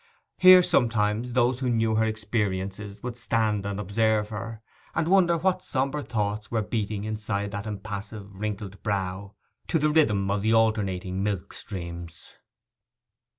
Here, sometimes, those who knew her experiences would stand and observe her, and wonder what sombre thoughts were beating inside that impassive, wrinkled brow, to the rhythm of the alternating milk streams.